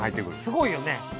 すごいよね。